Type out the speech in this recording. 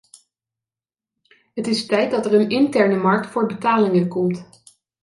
Het is tijd dat er een interne markt voor betalingen komt.